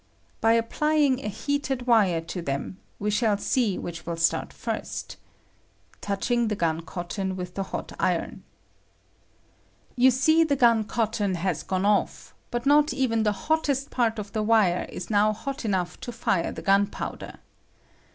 By applying a heated wire to them, we shall Bee which will start first [touching the gun cotton with the hot iron]. You see the gun cotton has gone off, but not even the hottest part of the wire is now hot enough to fire the gunpowder.